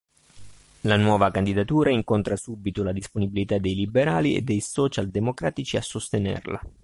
La nuova candidatura incontra subito la disponibilità dei liberali e dei socialdemocratici a sostenerla.